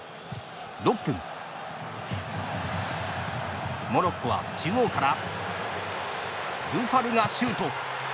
６分、モロッコは中央からブファルがシュート！